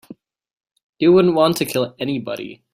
You wouldn't want to kill anybody.